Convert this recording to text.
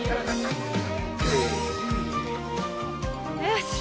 よし！